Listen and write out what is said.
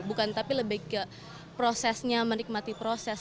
bukan tapi lebih ke prosesnya menikmati proses